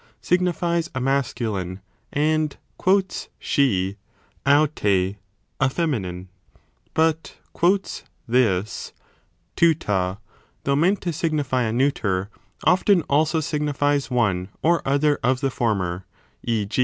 signifies a masculine, and she (ai/rT; ) a feminine; but this (rotJro), though meant to signify a neuter, often also signifies one or other of the former : e.